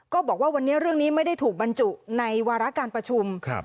ก็บอกว่าวันนี้เรื่องนี้ไม่ได้ถูกบรรจุในวาระการประชุม